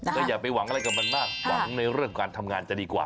ก็อย่าไปหวังอะไรกับมันมากหวังในเรื่องการทำงานจะดีกว่า